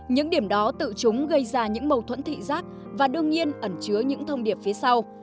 những điểm đó tự chúng gây ra những mâu thuẫn thị giác và đương nhiên ẩn chứa những thông điệp phía sau